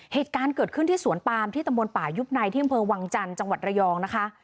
เหตุการณ์เกิดขึ้นที่สวนปามที่ตำบลป่ายุบในที่อำเภอวังจันทร์จังหวัดระยองนะคะ